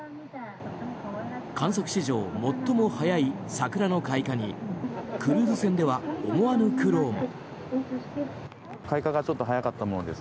観測史上最も早い桜の開花にクルーズ船では思わぬ苦労も。